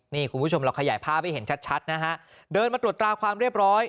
นี่คุณผู้ชมเราขยายภาพให้เห็นชัดนะฮะเดินมาตรวจตราความเรียบร้อย